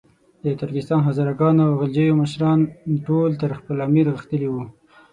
د ترکستان، هزاره ګانو او غلجیو مشران ټول تر خپل امیر غښتلي وو.